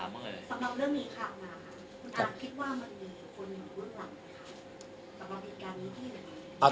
ประมาณติดการนี้ที่ไหน